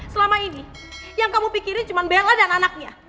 selama ini yang kamu pikirin cuma bella dan anaknya